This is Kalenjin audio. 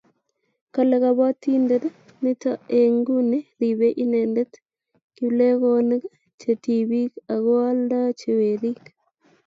kale kabotindet nito eng' nguni ribei inendet kiplekonik che tibik aku alda che werik